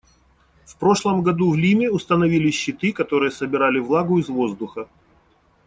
В прошлом году в Лиме установили щиты, которые собирали влагу из воздуха.